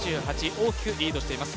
大きくリードしています。